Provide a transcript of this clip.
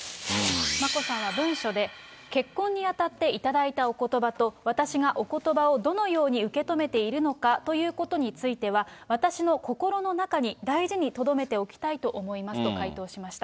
眞子さんは文書で、結婚にあたって頂いたおことばと、私がおことばをどのように受け止めているのかということについては、私の心の中に大事にとどめておきたいと思いますと回答しました。